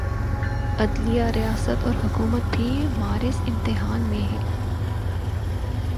عدلیہ، ریاست اور حکومت بھی معرض امتحان میں ہیں۔